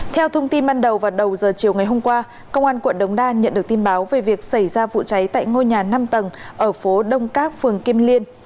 theo thông tin ban đầu vào đầu giờ chiều ngày hôm qua công an quận đống đa nhận được tin báo về việc xảy ra vụ cháy tại ngôi nhà năm tầng ở phố đông các phường kim liên